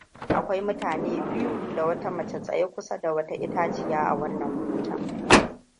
Akwai mutane biyu da wata mace tsaye kusa da wata itaciya a wannan hoton.